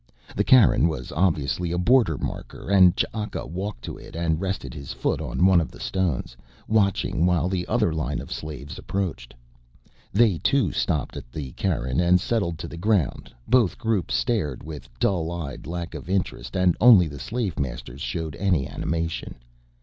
The cairn was obviously a border marker and Ch'aka walked to it and rested his foot on one of the stones, watching while the other line of slaves approached. They, too, stopped at the cairn and settled to the ground: both groups stared with dull eyed lack of interest and only the slave masters showed any animation.